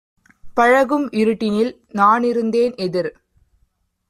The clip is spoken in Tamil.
பழகும் இருட்டினில் நானிருந்தேன் எதிர்